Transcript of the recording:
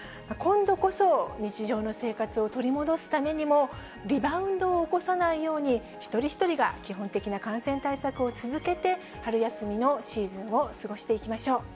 今度こそ、日常の生活を取り戻すためにも、リバウンドを起こさないように一人一人が基本的な感染対策を続けて、春休みのシーズンを過ごしていきましょう。